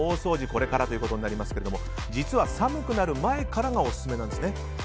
これからということになりますが実は寒くなる前からがオススメなんですね。